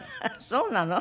そうなの？